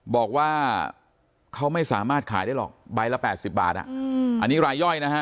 บอกว่าเขาไม่สามารถขายได้หรอกใบละ๘๐บาทอันนี้รายย่อยนะฮะ